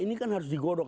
ini kan harus digodok